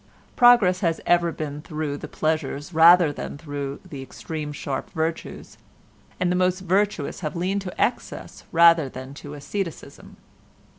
Progress has ever been through the pleasures rather than through the extreme sharp virtues, and the most virtuous have leaned to excess rather than to asceticism.